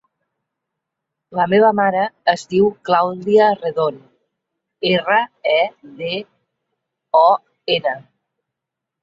La meva mare es diu Clàudia Redon: erra, e, de, o, ena.